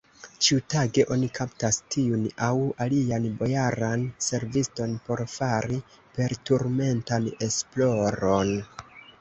Ĉiutage oni kaptas tiun aŭ alian bojaran serviston por fari perturmentan esploron.